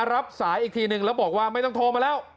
รับสายอีกทีนึงแล้วบอกว่าไม่ต้องโทรมาแล้ว